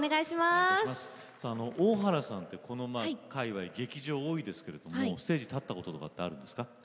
大原さんって、この界わい劇場、多いですけれどもステージ立ったこととかってあるんですか？